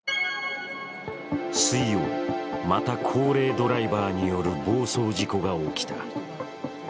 水曜、また高齢ドライバーによる暴走事故が起きた。